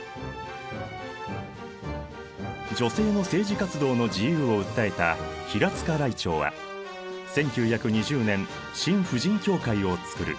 女性の政治活動の自由を訴えた平塚らいてうは１９２０年新婦人協会を作る。